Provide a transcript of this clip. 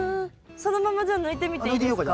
そのままじゃあ抜いてみていいですか？